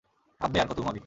আব্বে, আর কতো ঘুমাবি।